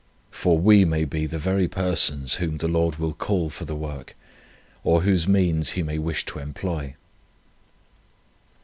For we may be the very persons whom the Lord will call for the work, or whose means He may wish to employ."